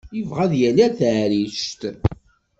Yebɣa ad yali ar taɛrict.